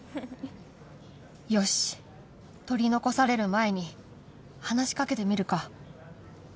よし取り残される前に話しかけてみるか